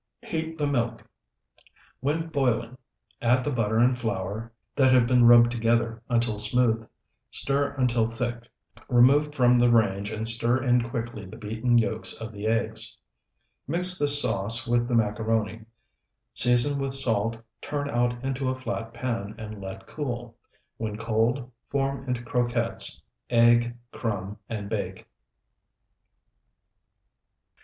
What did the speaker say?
Heat the milk; when boiling, add the butter and flour, that have been rubbed together until smooth; stir until thick, remove from the range, and stir in quickly the beaten yolks of the eggs. Mix this sauce with the macaroni, season with salt, turn out into a flat pan, and let cool. When cold, form into croquettes, egg, crumb, and bake.